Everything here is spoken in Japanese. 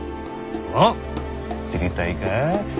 おっ知りたいか？